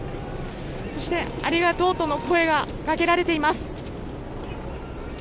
そして、ありがとうとの声が掛けられています。